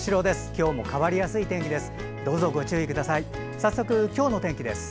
今日も変わりやすい天気です。